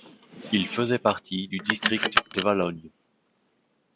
Il faisait partie du district de Valognes.